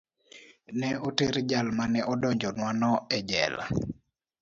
Ne oter jal ma ne odonjnwano e jela.